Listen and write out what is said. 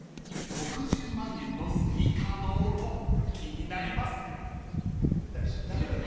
［６０万円のスピーカーの音気になります］